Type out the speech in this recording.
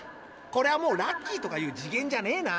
これはもうラッキーとかいう次元じゃねえな。